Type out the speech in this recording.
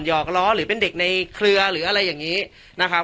หอกล้อหรือเป็นเด็กในเครือหรืออะไรอย่างนี้นะครับ